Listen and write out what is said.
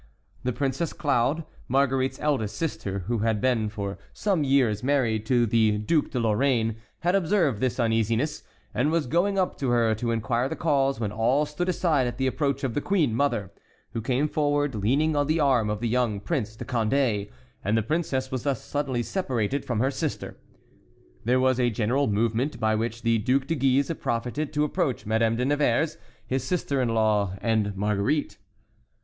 The Princess Claude, Marguerite's eldest sister, who had been for some years married to the Duc de Lorraine, had observed this uneasiness, and was going up to her to inquire the cause, when all stood aside at the approach of the queen mother, who came forward, leaning on the arm of the young Prince de Condé, and the princess was thus suddenly separated from her sister. There was a general movement, by which the Duc de Guise profited to approach Madame de Nevers, his sister in law, and Marguerite.